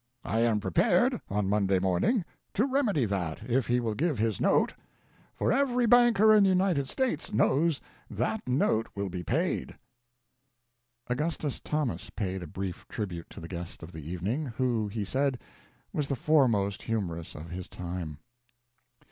I am prepared, on Monday morning, to remedy that if he will give his note, for every banker in the United States knows that note will be paid." Augustus Thomas paid a brief tribute to the guest of the evening, who, he said, was the foremost humorist of his time.